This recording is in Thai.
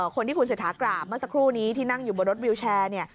คนที่คุณเศรษฐากราบเมื่อสักครู่นี้ที่นั่งอยู่บนรถวิวแชร์เนี่ย